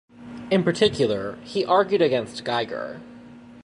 In particular, he argued against Geiger.